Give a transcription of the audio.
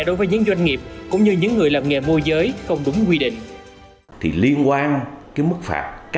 đối với những doanh nghiệp cũng như những người làm nghề môi giới không đúng quy định